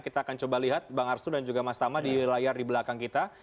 kita akan coba lihat bang arsul dan juga mas tama di layar di belakang kita